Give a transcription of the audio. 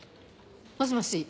もしもし？